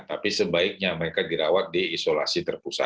tapi sebaiknya mereka dirawat di isolasi terpusat